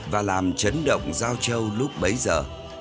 và làm chấn động giao châu lúc bấy giờ